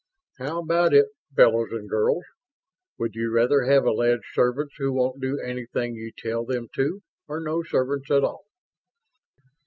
How about it, fellows and girls? Would you rather have alleged servants who won't do anything you tell them to or no servants at all?"